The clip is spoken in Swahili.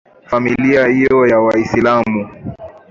Familia hiyo ni ya waislamu